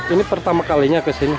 ini pertama kalinya kesini